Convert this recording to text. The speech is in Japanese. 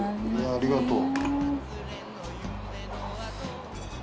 ありがとう。